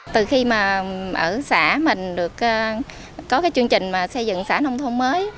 từ khi mà ở xã mình có cái chương trình xây dựng xã nông thôn mới